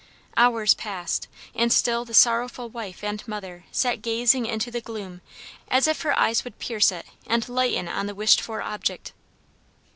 Hours passed, and still the sorrowful wife and mother sat gazing into the gloom as if her eyes would pierce it and lighten on the wished for object.